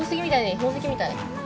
宝石みたい？